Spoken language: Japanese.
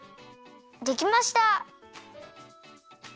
できました！